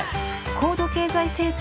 高度経済成長